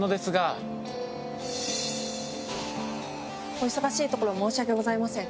お忙しいところ申し訳ございません。